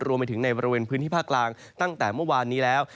รวมไปถึงในบริเวณพื้นที่ภาคกลางตั้งแต่เมื่อวานนี้แล้ว